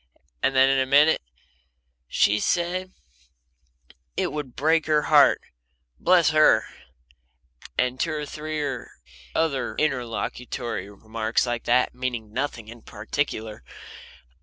And then, in a minute: "She said it would break her heart bless her!" And two or three other interlocutory remarks like that, meaning nothing in particular.